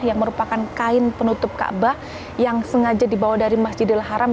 yang merupakan kain penutup ka bah yang sengaja dibawa dari masjid al haram